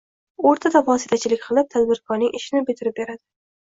O‘rtada vositachilik qilib, tadbikorning ishini bitirib beradi